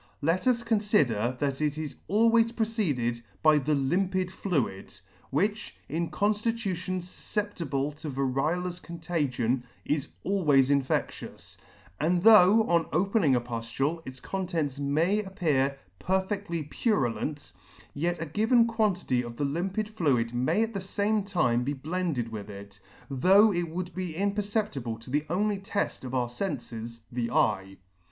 — Let us confider that it is always preceded by the limpid fluid, which, in conftitutions fufceptible of variolous con tagion, is always infedious ; and though, on opening a puflule, its contents may appear perfectly purulent, yet a given quantity of the limpid fluid may at the fame time be blended with it, though it would be imperceptible to the only teft of our fenfes, the eye.